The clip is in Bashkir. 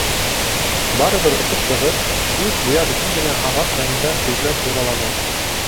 Барыбер осоп сығып, күҙ буяр өсөн генә ағас янында гөжләп уралана.